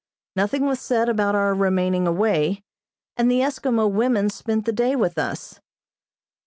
Nothing was said about our remaining away, and the Eskimo women spent the day with us.